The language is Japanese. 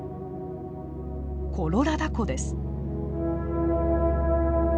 コロラダ湖です。